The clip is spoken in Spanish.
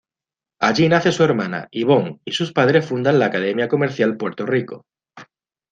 Allí nace su hermana, Yvonne, y sus padres fundan la Academia Comercial Puerto Rico.